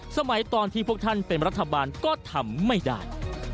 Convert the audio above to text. สมัยตอนที่พวกท่านเป็นรัฐบาลก็ทำไม่ได้